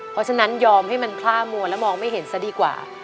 เพราะฉะนั้นยอมให้มันพล่ามัวและมองไม่เห็นซะดีกว่า